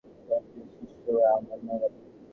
তোমার প্রিয় শিষ্যরা আমার নাগালে।